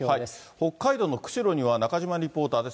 北海道の釧路には、中島リポーターです。